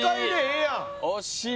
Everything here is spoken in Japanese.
惜しい。